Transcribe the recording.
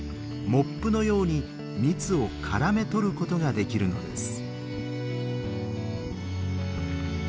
モップのように蜜をからめ取ることができるのです。